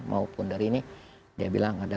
maupun dari ini dia bilang ada